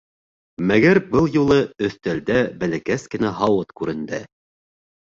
Мәгәр был юлы өҫтәлдә бәләкәс кенә һауыт күренде.